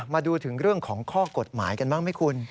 มาดูถึงเรื่องของข้อกฎหมายกันบ้างไหมคุณ